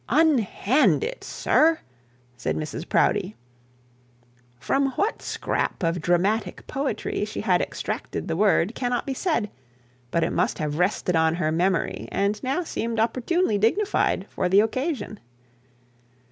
'Unhand it, sir!' said Mrs Proudie. From what scrap of dramatic poetry she had extracted the word cannot be said; but it must have rested on her memory, and now seemed opportunely dignified for the occasion.